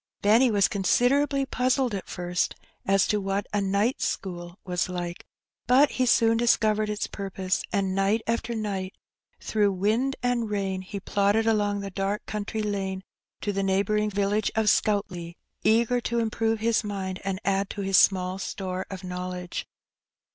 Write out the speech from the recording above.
Benny was considerably puzzled at first as to what a ^' night school " was like; but he soon discovered its purpose, and night after night, through wind and rain, he plodded along the dark country lane to the neighbouring village of Scoutleigh, eager to improve his mind and add to his small store of knowledge.